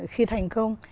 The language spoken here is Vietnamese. khi thành công